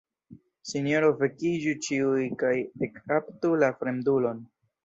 Sinjoro Vekiĝu ĉiuj kaj ekkaptu la fremdulon!